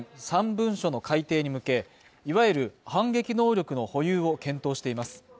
３文書の改定に向けいわゆる反撃能力の保有を検討しています